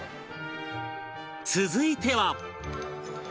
続いては